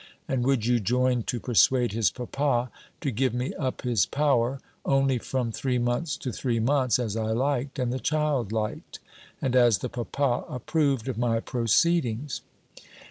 And would you join to persuade his papa to give me up his power, only from three months to three months, as I liked, and the child liked, and as the papa approved of my proceedings?"